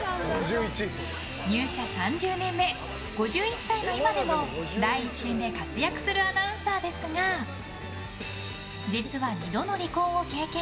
入社３０年目、５１歳の今でも第一線で活躍するアナウンサーですが実は２度の離婚を経験。